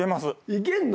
いけんの？